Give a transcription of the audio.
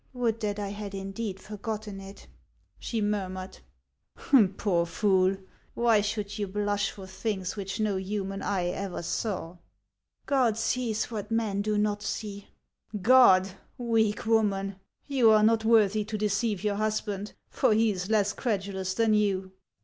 " Would that I had indeed forgotten it !" she murmured. " Poor fool ! Why should you blush for things which no human eye ever saw ?"" God sees what men do not see." HANS OF ICELAND. 83 " God, weak woman ! You are not worthy to deceive your husband, for he is less credulous than you."